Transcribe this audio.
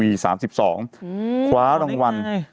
อื้อคว้าที่ไหน